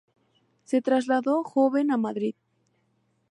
Se trasladó joven a Madrid.